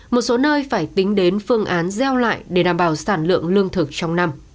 một số nơi phải tính đến phương án gieo lại để đảm bảo sản lượng lương thực trong năm